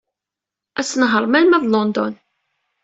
Ad tnehṛemt arma d London.